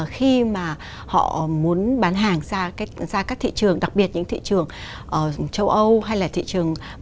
khi mà họ muốn bán hàng ra các thị trường đặc biệt những thị trường châu âu hay là thị trường mỹ v v